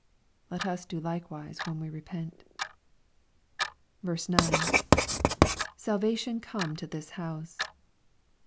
— ^Let us do likewise, when we repent 0. — [Salvation come to this house.